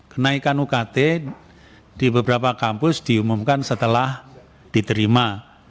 kenaikan ukt di beberapa kampus diumumkan setelah diterima